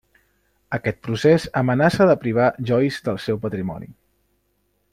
Aquest procés amenaça de privar Joyce del seu patrimoni.